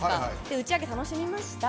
打ち上げを楽しみました